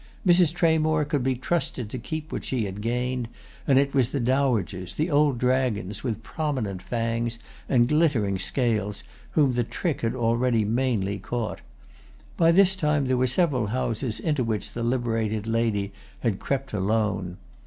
Mrs. Tramore could be trusted to keep what she had gained, and it was the dowagers, the old dragons with prominent fangs and glittering scales, whom the trick had already mainly caught. By this time there were several houses into which the liberated lady had crept alone.